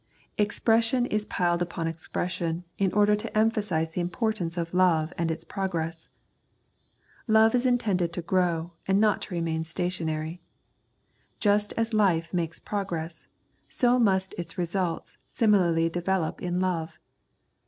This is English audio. Expression is piled upon expression in order to emphasise the importance of love and its progress. Love is intended to grow and not to remain stationary. Just as life makes progress, so must its result similarly develop in love.